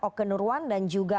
oke nurwan dan juga